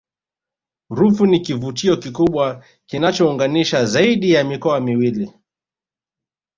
ruvu ni kivutio kikubwa kinachounganisha zaidi ya mikoa miwili